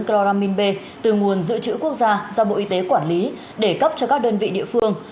camera minh b từ nguồn dự trữ quốc gia do bộ y tế quản lý để cấp cho các đơn vị địa phương